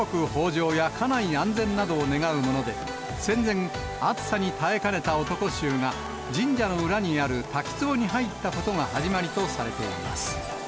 じょうや家内安全などを願うもので、戦前、暑さに耐えかねた男衆が、神社の裏にある滝つぼに入ったことが始まりとされています。